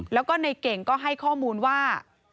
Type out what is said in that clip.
แล้วก็ในเก่งก็ให้ข้อมูลว่า